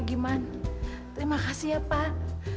pak giman terima kasih ya pak